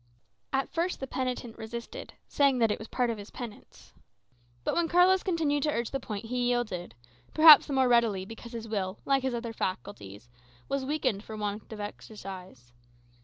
At first the penitent resisted, saying that it was part of his penance. But when Carlos continued to urge the point, he yielded; perhaps the more readily because his will, like his other faculties, was weakened for want of exercise.